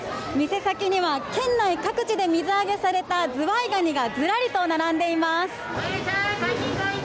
店先には県内各地で水揚げされたズワイガニがずらりと並んでいます。